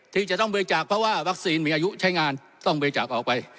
ที่จะต้องบริจาคเพราะว่าวัคซีนมีอายุใช้งานต้องบริจาคออกไป